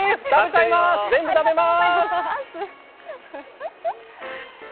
全部食べます。